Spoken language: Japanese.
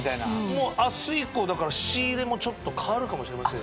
もう明日以降だから仕入れもちょっと変わるかもしれません。